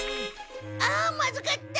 あまずかった！